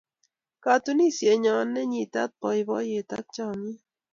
Katunisienyo ko ne nyitat boiboiyet ak chamet